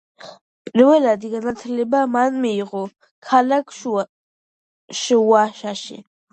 პირველადი განათლება მან მიიღო ქალაქ შუშაში.